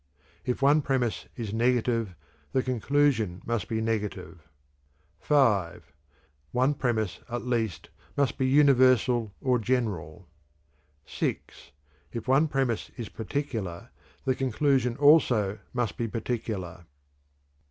If one premise is negative, the conclusion must be negative. V. One premise, at least, must be universal or general. VI. If one premise is particular, the conclusion also must be particular.